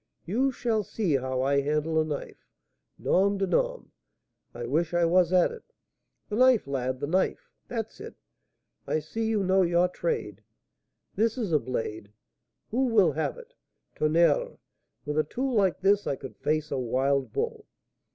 You shall see how I handle a knife! Nom de nom! I wish I was at it. The knife, lad! the knife! That's it; I see you know your trade. This is a blade! Who will have it? Tonnerre! with a tool like this I could face a wild bull."